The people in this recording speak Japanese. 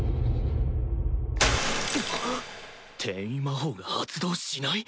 転移魔法が発動しない？